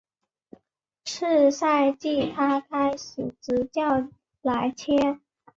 次赛季他开始执教莱切。